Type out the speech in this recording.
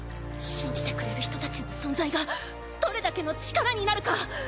信じてくれる人たちの存在がどれだけの力になるか。